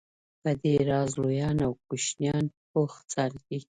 په دې راز لویان او کوشنیان بوخت ساتي.